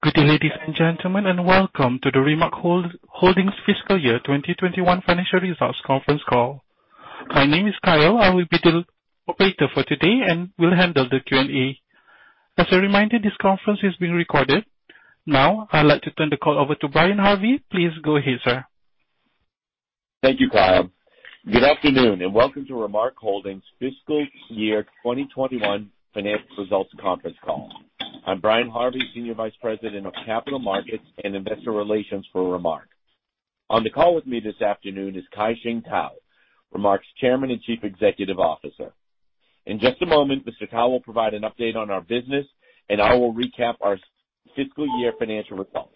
Good day, ladies and gentlemen, and welcome to the Remark Holdings fiscal year 2021 financial results conference call. My name is Kyle. I will be the operator for today and will handle the Q&A. As a reminder, this conference is being recorded. Now, I'd like to turn the call over to Brian Harvey. Please go ahead, sir. Thank you, Kyle. Good afternoon, and welcome to Remark Holdings fiscal year 2021 financial results conference call. I'm Brian Harvey, Senior Vice President of Capital Markets and Investor Relations for Remark. On the call with me this afternoon is Kai-Shing Tao, Remark's Chairman and Chief Executive Officer. In just a moment, Mr. Tao will provide an update on our business, and I will recap our fiscal year financial results.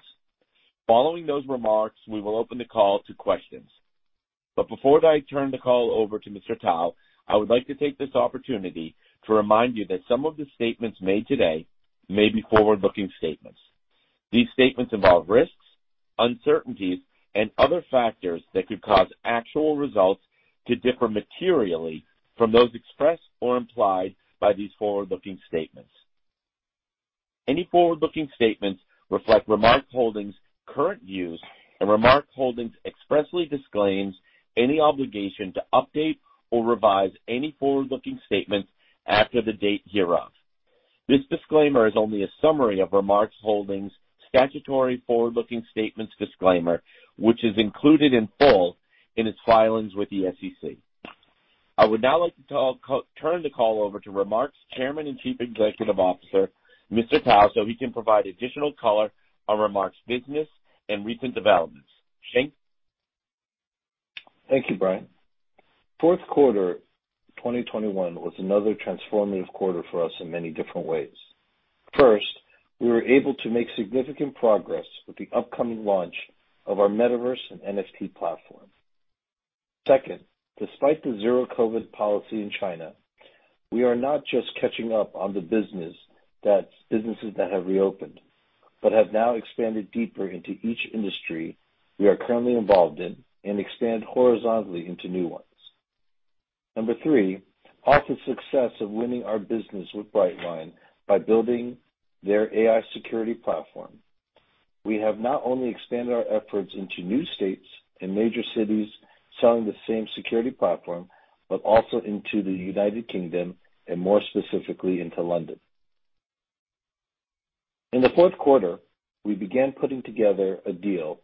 Following those remarks, we will open the call to questions. Before I turn the call over to Mr. Tao, I would like to take this opportunity to remind you that some of the statements made today may be forward-looking statements. These statements involve risks, uncertainties, and other factors that could cause actual results to differ materially from those expressed or implied by these forward-looking statements. Any forward-looking statements reflect Remark Holdings' current views, and Remark Holdings expressly disclaims any obligation to update or revise any forward-looking statements after the date hereof. This disclaimer is only a summary of Remark Holdings' statutory forward-looking statements disclaimer, which is included in full in its filings with the SEC. I would now like to turn the call over to Remark's Chairman and Chief Executive Officer, Mr. Tao, so he can provide additional color on Remark's business and recent developments. Sheng? Thank you, Brian.Q4, 2021 was another transformative quarter for us in many different ways. First, we were able to make significant progress with the upcoming launch of our Metaverse and NFT platform. Second, despite the zero COVID policy in China, we are not just catching up on the businesses that have reopened but have now expanded deeper into each industry we are currently involved in and expand horizontally into new ones. Number three, off the success of winning our business with Brightline by building their AI security platform, we have not only expanded our efforts into new states and major cities selling the same security platform, but also into the United Kingdom and more specifically into London. In the Q4, we began putting together a deal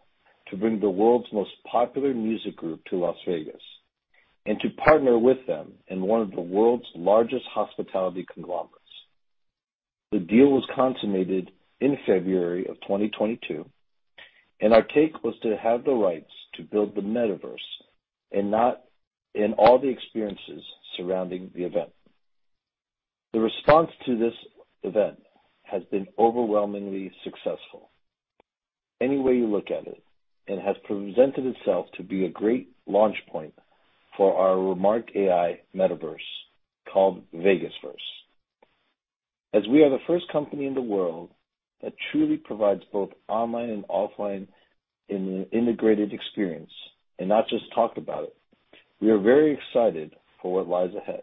to bring the world's most popular music group to Las Vegas and to partner with them in one of the world's largest hospitality conglomerates. The deal was consummated in February of 2022, and our take was to have the rights to build the Metaverse and NFT, and all the experiences surrounding the event. The response to this event has been overwhelmingly successful. Any way you look at it has presented itself to be a great launch point for our Remark AI Metaverse called VegasVerz. As we are the first company in the world that truly provides both online and offline in an integrated experience and not just talk about it, we are very excited for what lies ahead.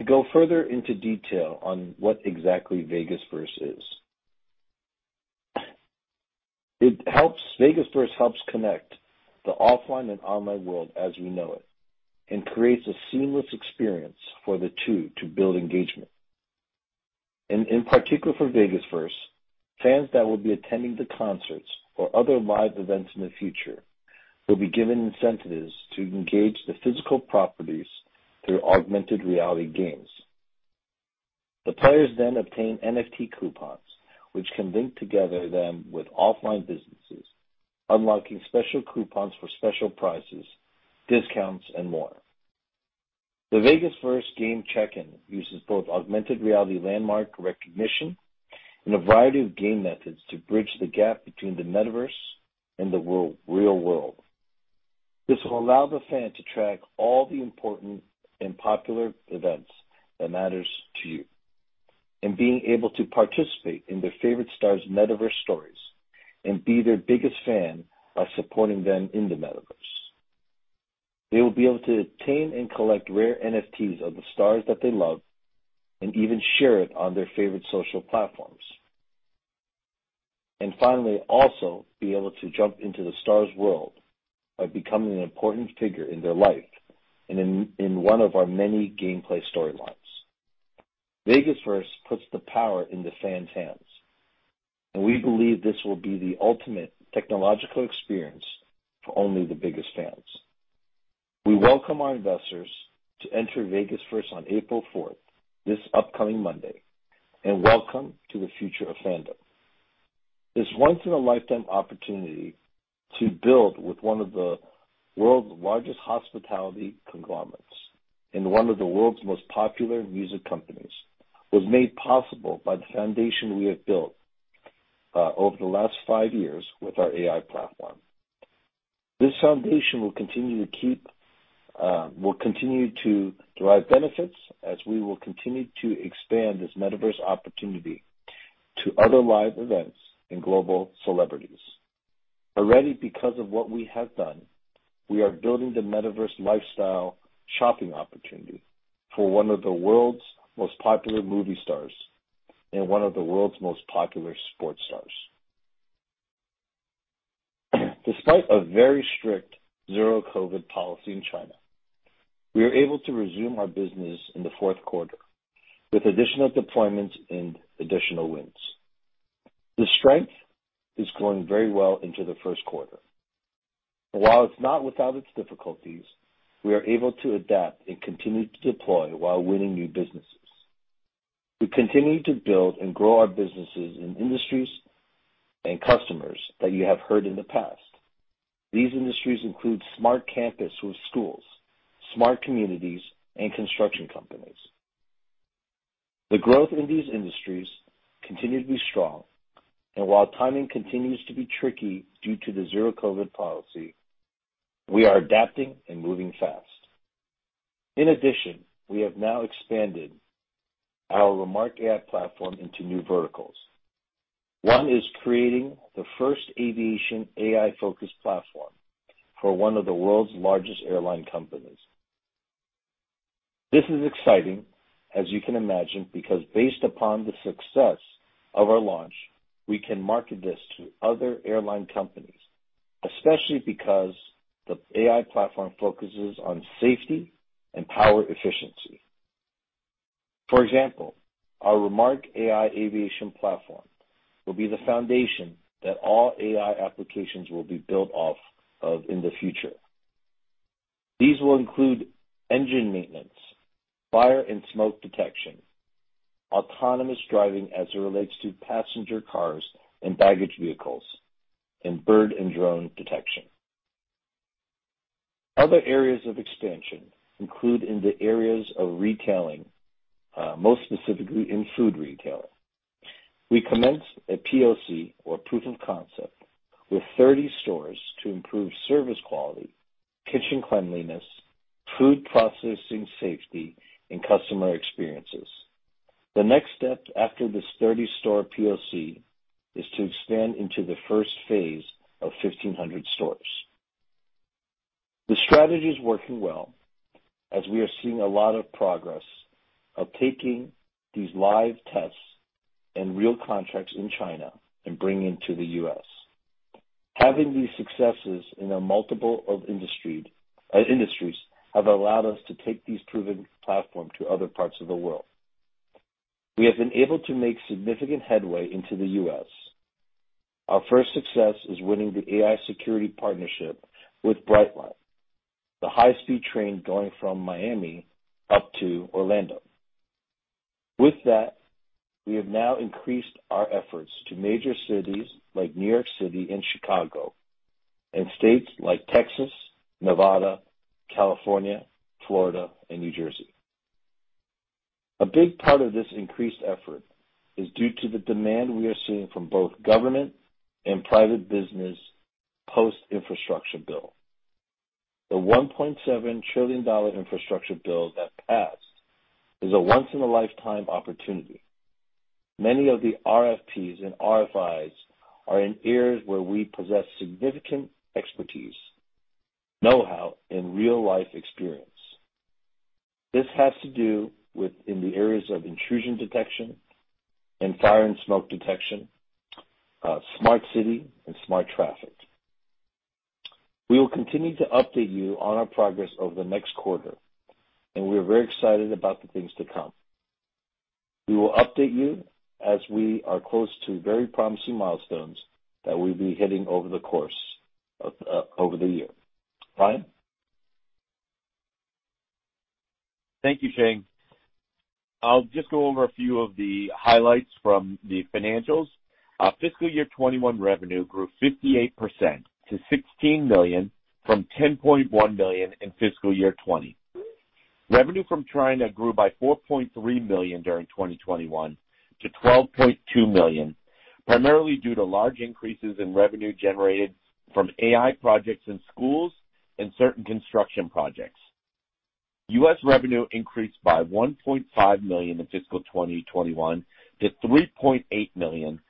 To go further into detail on what exactly VegasVerz is. It helps, VegasVerz helps connect the offline and online world as we know it and creates a seamless experience for the two to build engagement. In particular for VegasVerz, fans that will be attending the concerts or other live events in the future will be given incentives to engage the physical properties through augmented reality games. The players then obtain NFT coupons, which can link together them with offline businesses, unlocking special coupons for special prizes, discounts, and more. The VegasVerz game check-in uses both augmented reality landmark recognition and a variety of game methods to bridge the gap between the Metaverse and the real world. This will allow the fan to track all the important and popular events that matters to you and being able to participate in their favorite stars' Metaverse stories and be their biggest fan by supporting them in the Metaverse. They will be able to obtain and collect rare NFTs of the stars that they love and even share it on their favorite social platforms. Finally, also be able to jump into the star's world by becoming an important figure in their life and in one of our many gameplay storylines. VegasVerz puts the power in the fans' hands, and we believe this will be the ultimate technological experience for only the biggest fans. We welcome our investors to enter VegasVerz on April fourth, this upcoming Monday, and welcome to the future of fandom. This once in a lifetime opportunity to build with one of the world's largest hospitality conglomerates and one of the world's most popular music companies was made possible by the foundation we have built over the last five years with our AI platform. This foundation will continue to derive benefits as we will continue to expand this Metaverse opportunity to other live events and global celebrities. Already, because of what we have done, we are building the Metaverse lifestyle shopping opportunity for one of the world's most popular movie stars and one of the world's most popular sports stars. Despite a very strict zero-COVID policy in China, we are able to resume our business in the Q4 with additional deployments and additional wins. The strength is going very well into the Q1. While it's not without its difficulties, we are able to adapt and continue to deploy while winning new businesses. We continue to build and grow our businesses in industries and customers that you have heard in the past. These industries include smart campus with schools, smart communities and construction companies. The growth in these industries continue to be strong. While timing continues to be tricky due to the zero-COVID policy, we are adapting and moving fast. In addition, we have now expanded our Remark AI platform into new verticals. One is creating the first aviation AI-focused platform for one of the world's largest airline companies. This is exciting, as you can imagine, because based upon the success of our launch, we can market this to other airline companies, especially because the AI platform focuses on safety and power efficiency. For example, our Remark AI aviation platform will be the foundation that all AI applications will be built off of in the future. These will include engine maintenance, fire and smoke detection, autonomous driving as it relates to passenger cars and baggage vehicles, and bird and drone detection. Other areas of expansion include in the areas of retailing, most specifically in food retailing. We commenced a POC, or proof of concept, with 30 stores to improve service quality, kitchen cleanliness, food processing safety, and customer experiences. The next step after this 30-store POC is to expand into the Phase I of 1,500 stores. The strategy is working well as we are seeing a lot of progress of taking these live tests and real contracts in China and bringing to the U.S. Having these successes in a multiple of industries have allowed us to take these proven platform to other parts of the world. We have been able to make significant headway into the U.S. Our first success is winning the AI security partnership with Brightline, the high-speed train going from Miami up to Orlando. With that, we have now increased our efforts to major cities like New York City and Chicago, and states like Texas, Nevada, California, Florida, and New Jersey. A big part of this increased effort is due to the demand we are seeing from both government and private business post-infrastructure bill. The $1.7 trillion infrastructure bill that passed is a once-in-a-lifetime opportunity. Many of the RFPs and RFIs are in areas where we possess significant expertise, know-how, and real-life experience. This has to do with in the areas of intrusion detection and fire and smoke detection, smart city and smart traffic. We will continue to update you on our progress over the next quarter, and we are very excited about the things to come. We will update you as we are close to very promising milestones that we'll be hitting over the course of over the year. Ryan? Thank you, Shing. I'll just go over a few of the highlights from the financials. Our fiscal year 2021 revenue grew 58% to $16 million from $10.1 million in fiscal year 2020. Revenue from China grew by $4.3 million during 2021 to $12.2 million, primarily due to large increases in revenue generated from AI projects in schools and certain construction projects. U.S. revenue increased by $1.5 million in fiscal 2021 to $3.8 million,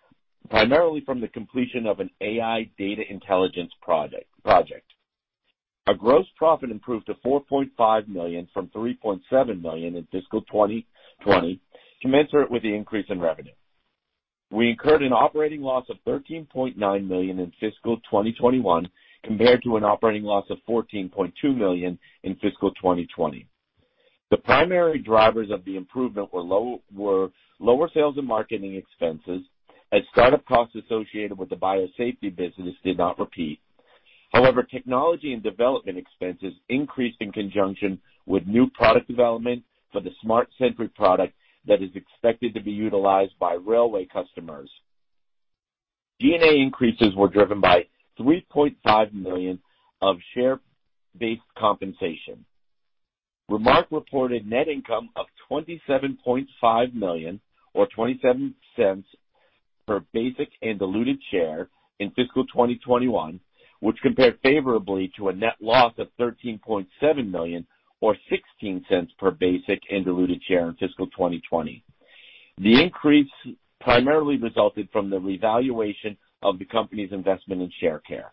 primarily from the completion of an AI data intelligence project. Our gross profit improved to $4.5 million from $3.7 million in fiscal 2020, commensurate with the increase in revenue. We incurred an operating loss of $13.9 million in fiscal 2021 compared to an operating loss of $14.2 million in fiscal 2020. The primary drivers of the improvement were lower sales and marketing expenses as startup costs associated with the biosafety business did not repeat. However, technology and development expenses increased in conjunction with new product development for the Smart Sentry product that is expected to be utilized by railway customers. G&A increases were driven by $3.5 million of share-based compensation. Remark reported net income of $27.5 million or $0.27 per basic and diluted share in fiscal 2021, which compared favorably to a net loss of $13.7 million or $0.16 per basic and diluted share in fiscal 2020. The increase primarily resulted from the revaluation of the company's investment in Sharecare.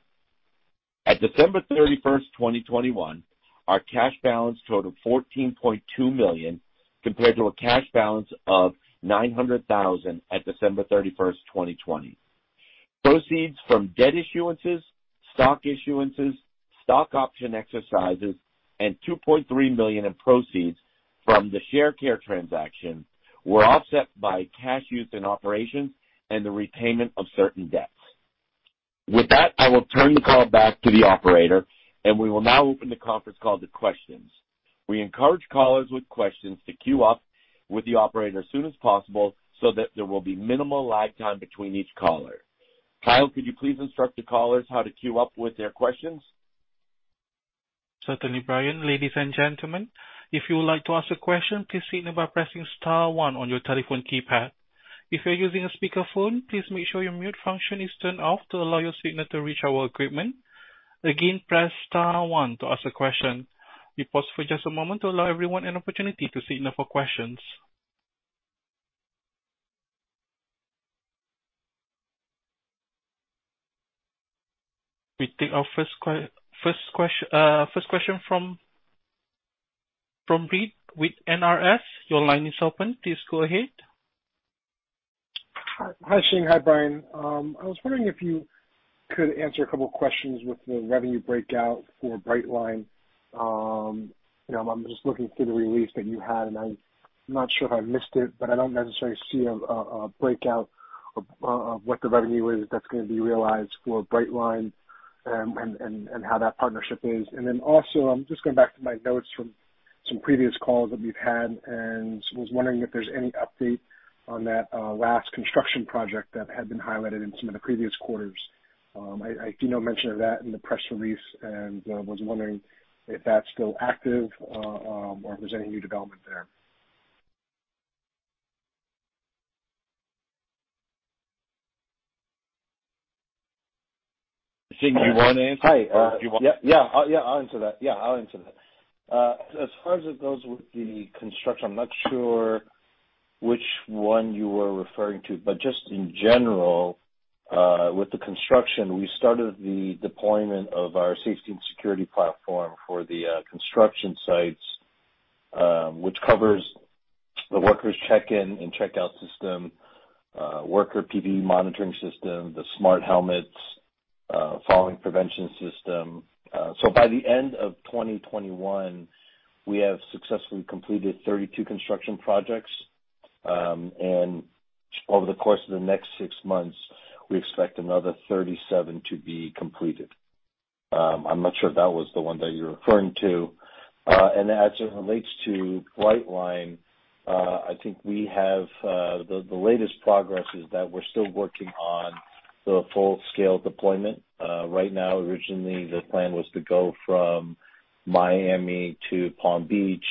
At December 31, 2021, our cash balance totaled $14.2 million, compared to a cash balance of $900,000 at December 31, 2020. Proceeds from debt issuances, stock issuances, stock option exercises, and $2.3 million in proceeds from the Sharecare transaction were offset by cash used in operations and the repayment of certain debts. With that, I will turn the call back to the operator, and we will now open the conference call to questions. We encourage callers with questions to queue up with the operator as soon as possible so that there will be minimal lag time between each caller. Kyle, could you please instruct the callers how to queue up with their questions? Certainly, Brian. Ladies and gentlemen, if you would like to ask a question, please signal by pressing star one on your telephone keypad. If you're using a speakerphone, please make sure your mute function is turned off to allow your signal to reach our equipment. Again, press star one to ask a question. We pause for just a moment to allow everyone an opportunity to signal for questions. We take our first question from Reid with NRS. Your line is open. Please go ahead. Hi, Shane. Hi, Brian. I was wondering if you could answer a couple of questions with the revenue breakout for Brightline. You know, I'm just looking through the release that you had, and I'm not sure if I missed it, but I don't necessarily see a breakout of what the revenue is that's gonna be realized for Brightline and how that partnership is. I'm just going back to my notes from some previous calls that we've had and was wondering if there's any update on that last construction project that had been highlighted in some of the previous quarters. I see no mention of that in the press release and was wondering if that's still active or if there's any new development there. Shane, do you wanna answer? Hi. Do you want- Yeah, I'll answer that. As far as it goes with the construction, I'm not sure which one you were referring to, but just in general, with the construction, we started the deployment of our safety and security platform for the construction sites, which covers the workers' check-in and check-out system, worker PPE monitoring system, the smart helmets, falling prevention system. By the end of 2021, we have successfully completed 32 construction projects. Over the course of the next six months, we expect another 37 to be completed. I'm not sure if that was the one that you're referring to. As it relates to Brightline, I think the latest progress is that we're still working on the full-scale deployment. Right now, originally the plan was to go from Miami to Palm Beach,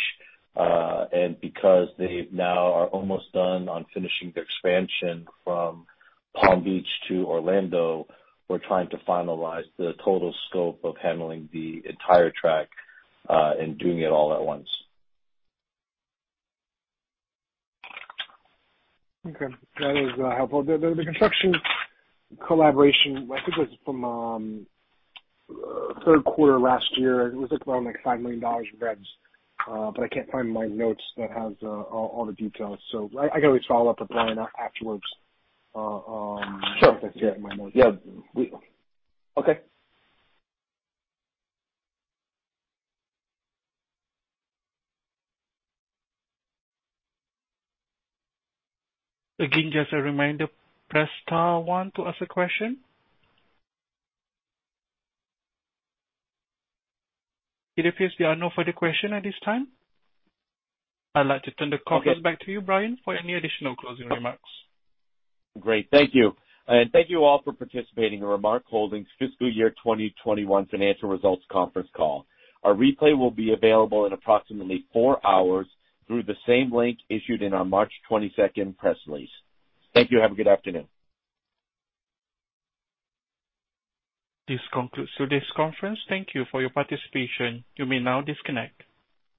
and because they now are almost done on finishing the expansion from Palm Beach to Orlando, we're trying to finalize the total scope of handling the entire track, and doing it all at once. Okay. That is helpful. The construction collaboration, I think it was from Q3last year. It was like around, like, $5 million revs, but I can't find my notes that has all the details. I can always follow up with Brian afterwards. Sure. If I can't get my notes. Yeah. Okay. Again, just a reminder, press star one to ask a question. It appears there are no further questions at this time. I'd like to turn the conference back to you, Brian, for any additional closing remarks. Great. Thank you. Thank you all for participating in Remark Holdings' Fiscal Year 2021 financial results conference call. Our replay will be available in approximately four hours through the same link issued in our March 22 press release. Thank you. Have a good afternoon. This concludes today's conference. Thank you for your participation. You may now disconnect.